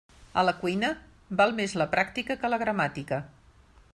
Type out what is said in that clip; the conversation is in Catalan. A la cuina, val més la pràctica que la gramàtica.